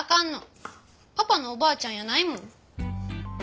パパのおばあちゃんやないもん。